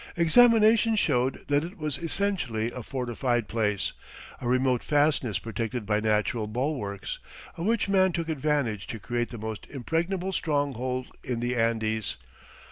Examination showed that it was essentially a fortified place, a remote fastness protected by natural bulwarks, of which man took advantage to create the most impregnable stronghold in the Andes.